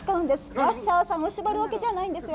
ラッシャーさんを縛るわけじゃないんですよ。